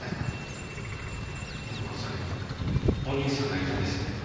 展子さんにお兄さんがいたんですね？